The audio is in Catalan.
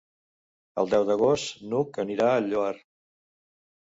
El deu d'agost n'Hug anirà al Lloar.